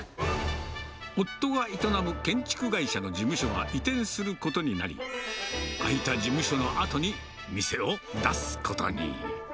夫が営む建築会社の事務所が移転することになり、空いた事務所の跡に店を出すことに。